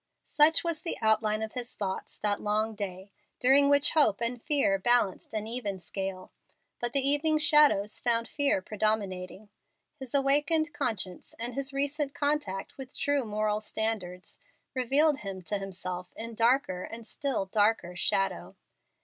Such was the outline of his thoughts that long day, during which hope and fear balanced an even scale. But the evening shadows found fear predominating. His awakened conscience and his recent contact with true moral standards revealed him to himself in darker and still darker shadow.